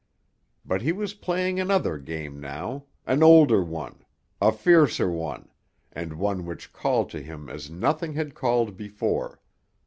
But he was playing another game now, an older one, a fiercer one, and one which called to him as nothing had called before.